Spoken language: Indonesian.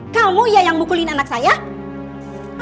kamu ya yang mukulin anak saya